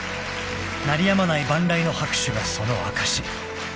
［鳴りやまない万雷の拍手がその証し］